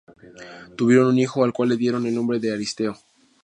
Tuvieron un hijo al cual le dieron el nombre de Aristeo.